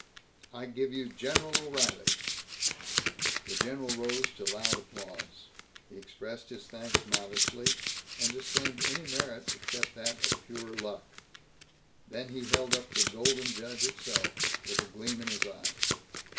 I give you General O'Reilly!" The general rose to loud applause. He expressed his thanks modestly, and disclaimed any merit except that of pure luck. Then he held up the "Golden Judge" itself, with a gleam in his eye.